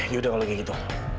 yaudah kalau gitu